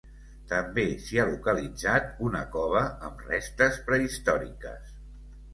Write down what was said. També s'hi ha localitzat una cova amb restes prehistòriques.